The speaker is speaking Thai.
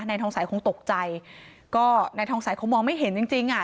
ทองสัยคงตกใจก็นายทองสัยคงมองไม่เห็นจริงจริงอ่ะ